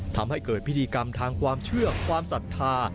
ทำให้เกิดพิธีกรรมทางความเชื่อความศรัทธา